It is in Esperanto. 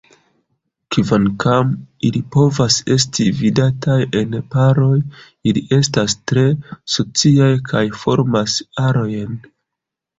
Kvankam ili povas esti vidataj en paroj, ili estas tre sociaj kaj formas arojn.